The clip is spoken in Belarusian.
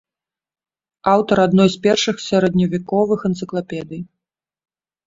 Аўтар адной з першых сярэдневяковых энцыклапедый.